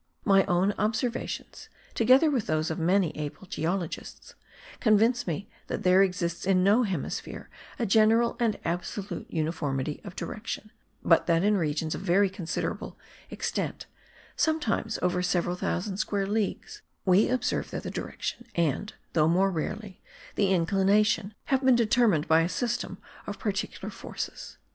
My own observations, together with those of many able geologists, convince me that there exists in no hemisphere a general and absolute uniformity of direction; but that in regions of very considerable extent, sometimes over several thousand square leagues, we observe that the direction and (though more rarely) the inclination have been determined by a system of particular forces.